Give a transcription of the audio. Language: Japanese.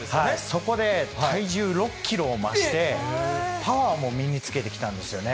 そこで体重６キロを増して、パワーも身につけてきたんですよね。